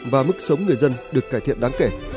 và mức sống người dân được cải thiện đáng kể